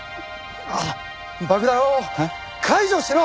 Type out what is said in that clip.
爆弾を解除しろ！